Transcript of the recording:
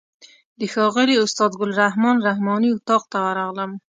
د ښاغلي استاد ګل رحمن رحماني اتاق ته ورغلم.